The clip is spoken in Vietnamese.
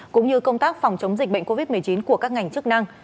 cũng như công tác phòng chống dịch bệnh covid một mươi chín của các ngành chức năng